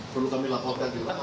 perlu kami laporkan juga